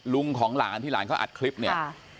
ของหลานที่หลานเขาอัดคลิปเนี่ย